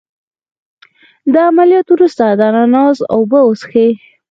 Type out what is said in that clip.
د عملیات وروسته د اناناس اوبه وڅښئ